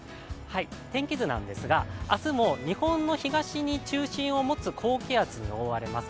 天気図なんですが、明日も日本の東に中心を持つ高気圧に覆われます。